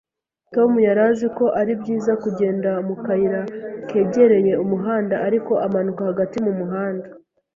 Tom yari azi ko ari byiza kugenda mu kayira kegereye umuhanda, ariko amanuka hagati mu muhanda